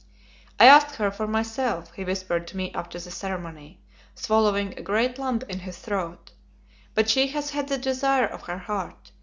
"I asked her for myself," he whispered to me after the ceremony, swallowing a great lump in his throat, "but she has had the desire of her heart.